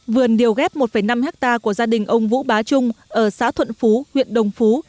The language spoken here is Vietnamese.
vườn điều ghép một năm hectare của gia đình ông vũ bá trung ở xã thuận phú huyện đồng phú